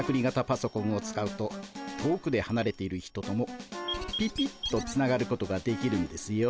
パソコンを使うと遠くではなれている人ともピピッとつながることができるんですよ。